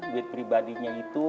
duit pribadinya itu